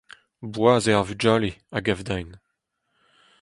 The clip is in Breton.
Boaz eo ar vugale, a gav din.